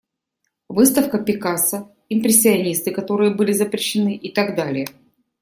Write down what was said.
Выставка Пикассо, импрессионисты которые были запрещены, и так далее.